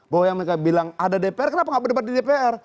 bahwa yang mereka bilang ada dpr kenapa nggak berdebat di dpr